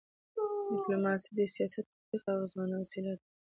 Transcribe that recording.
ډيپلوماسي د سیاست د تطبیق اغيزمنه وسیله ده.